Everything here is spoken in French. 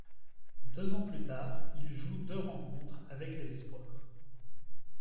Deux ans plus tard, il joue deux rencontres avec les espoirs.